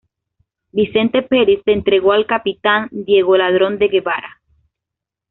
Vicente Peris se entregó al capitán Diego Ladrón de Guevara.